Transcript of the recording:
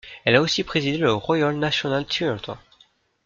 Elle a aussi présidé le Royal National Theatre.